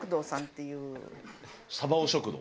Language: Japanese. サバヲ食堂？